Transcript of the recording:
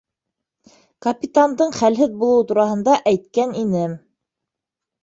Капитандың хәлһеҙ булыуы тураһында әйткән инем.